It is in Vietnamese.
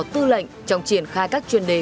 tư lệnh trong triển khai các chuyên đề